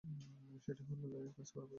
সেইটি লইয়াই কাজ করা প্রয়োজন।